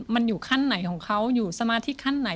มันอยู่ขั้นไหนของเขาอยู่สมาธิขั้นไหน